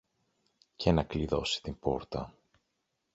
και να κλειδώσει την πόρτα.